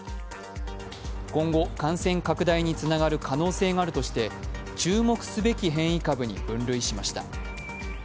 今後、感染拡大につながる可能性があるとして、注目すべき変異株に分類しました。